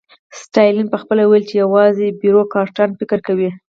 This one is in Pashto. ستالین پخپله ویل چې یوازې بیروکراټان فکر کوي